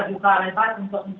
nah jalur pengembangan jauh tinggi